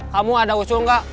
kamu ada usul gak